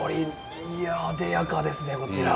いやあでやかですねこちら。